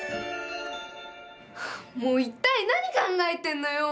もう一体何考えてんのよ！